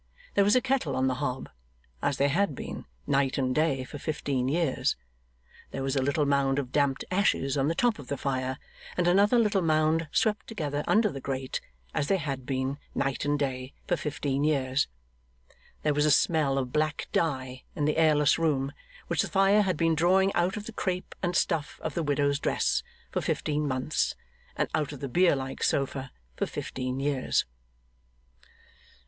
There was a kettle on the hob, as there had been night and day for fifteen years. There was a little mound of damped ashes on the top of the fire, and another little mound swept together under the grate, as there had been night and day for fifteen years. There was a smell of black dye in the airless room, which the fire had been drawing out of the crape and stuff of the widow's dress for fifteen months, and out of the bier like sofa for fifteen years.